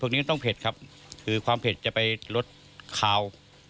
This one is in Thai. นี้ก็ต้องเผ็ดครับคือความเผ็ดจะไปรสคาว